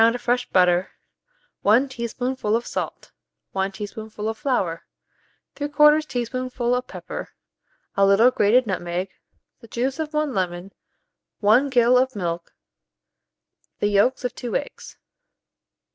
of fresh butter, 1 teaspoonful of salt, 1 teaspoonful of flour, 3/4 teaspoonful of pepper, a little grated nutmeg, the juice of 1 lemon, 1 gill of milk, the yolks of 2 eggs.